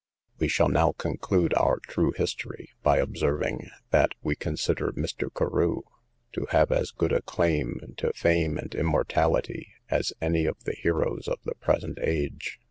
We shall now conclude our true history, by observing, that we consider Mr. Carew to have as good a claim to fame and immortality as any of the heroes of the present age.